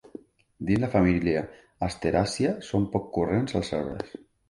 Dins la família asteràcia són poc corrents els arbres.